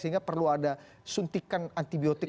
sehingga perlu ada suntikan antibiotik